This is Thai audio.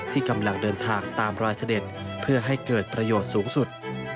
ที่กำลังเดินทางตามรอยเสด็จเพื่อให้เกิดประโยชน์สูงสุด